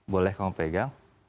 boleh kamu pegang